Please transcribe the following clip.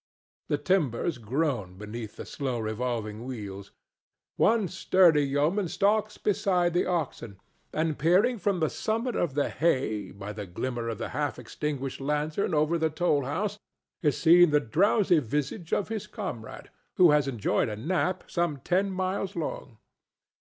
The timbers groan beneath the slow revolving wheels; one sturdy yeoman stalks beside the oxen, and, peering from the summit of the hay, by the glimmer of the half extinguished lantern over the toll house is seen the drowsy visage of his comrade, who has enjoyed a nap some ten miles long.